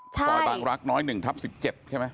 ซอยบางรักน้อย๑ทับ๑๗ใช่ไหม